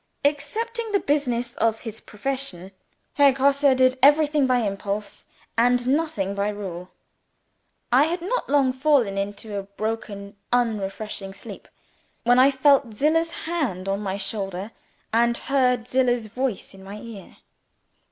Excepting the business of his profession, Herr Grosse did everything by impulse, and nothing by rule. I had not long fallen into a broken unrefreshing sleep, when I felt Zillah's hand on my shoulder, and heard Zillah's voice in my ear.